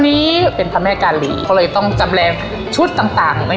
นี้เป็นพระแม่กาลีเขาเลยต้องจำแรงชุดต่างต่างไม่